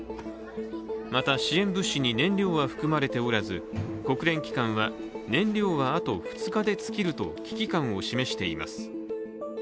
また、支援物資に燃料は含まれておらず国連機関は、燃料はあと２日で尽きると危機感を示しています。